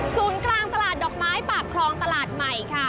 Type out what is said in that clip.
ศูนย์กลางตลาดดอกไม้ปากคลองตลาดใหม่ค่ะ